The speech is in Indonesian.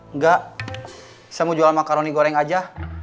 enggak saya mau jual makaroni goreng aja